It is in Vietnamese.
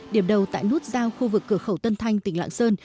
điểm đầu tại nút giao khu vực cửa khẩu tân thanh tỉnh lạng sơn